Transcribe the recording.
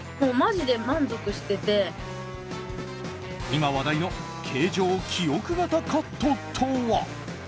今、話題の形状記憶型カットとは。